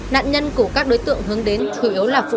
nạn nhân của các đối tượng hướng đến chủ yếu là phụ nữ